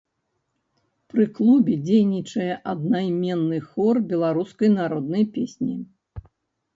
Пры клубе дзейнічае аднайменны хор беларускай народнай песні.